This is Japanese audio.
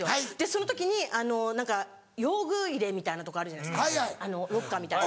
その時に何か用具入れみたいなとこあるじゃないですかロッカーみたいな。